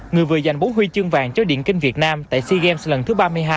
người vừa giành bốn huy chương vàng cho điền kinh việt nam tại sea games lần thứ ba mươi hai